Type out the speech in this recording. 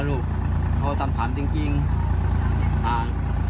ลูกน้องของเขา